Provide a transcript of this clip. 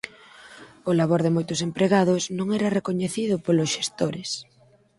O labor de moitos empregados non era recoñecido polos xestores